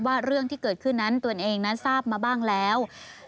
ว่าเรื่องที่เกิดขึ้นนั้นตัวเองนั้นทราบมาบ้างแล้ว